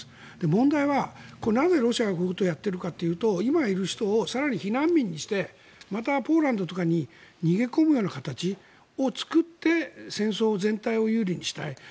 問題はなぜロシアがこういうことをやっているかというと今いる人を更に避難民にしてまたポーランドとかに逃げ込むような形を作って戦争全体を有利にしたい。